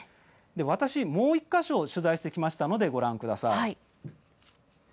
私もう１か所取材してきましたのでご覧ください。